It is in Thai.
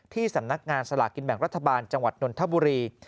สำนักงานสลากกินแบ่งรัฐบาลจังหวัดนนทบุรี